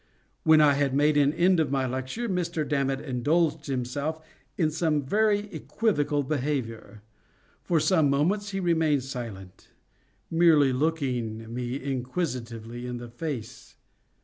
When I had made an end of my lecture, Mr. Dammit indulged himself in some very equivocal behavior. For some moments he remained silent, merely looking me inquisitively in the face.